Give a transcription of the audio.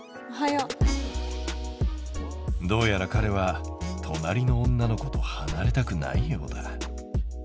どうやらかれは隣の女の子とはなれたくないようだ。